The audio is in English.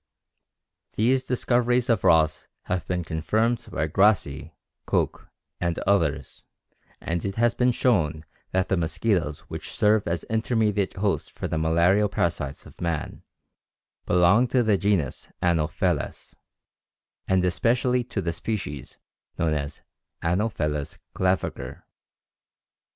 These discoveries of Ross have been confirmed by Grassi, Koch and others, and it has been shown that the mosquitoes which serve as intermediate host for the malarial parasites of man belong to the genus Anopheles, and especially to the species known as Anopheles claviger.